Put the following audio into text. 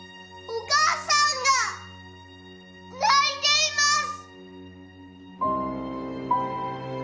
お母さんが泣いています。